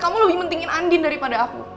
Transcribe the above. kamu lebih mentingin andien daripada aku